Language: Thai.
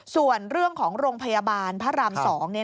ส่วนเรื่องของโรงพยาบาลพระราม๒